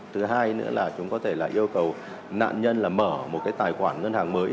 thứ hai nữa là chúng có thể là yêu cầu nạn nhân là mở một cái tài khoản ngân hàng mới